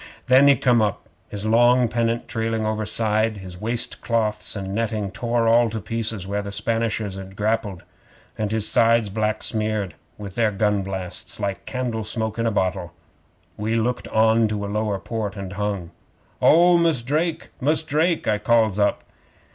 'Then he come up his long pennant trailing overside his waistcloths and netting tore all to pieces where the Spanishers had grappled, and his sides black smeared with their gun blasts like candle smoke in a bottle. We hooked on to a lower port and hung. '"Oh, Mus' Drake! Mus' Drake!" I calls up.